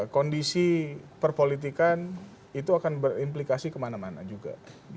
kondisi perpolitikan itu akan berimplikasi kemana mana juga